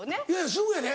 すぐやで。